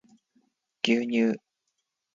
牛乳